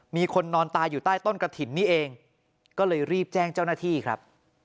มีคนนอนตายอยู่ใต้ต้นกระถิ่นนี้เองก็เลยรีบแจ้งเจ้าหน้าที่ครับ